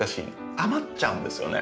余っちゃうんですよね。